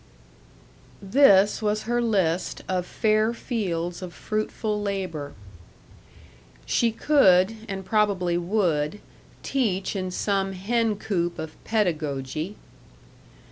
This was her list of fair fields of fruitful labor: She could and probably would teach in some hen coop of pedagogy.